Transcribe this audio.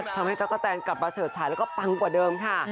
ตั๊กกะแตนกลับมาเฉิดฉายแล้วก็ปังกว่าเดิมค่ะ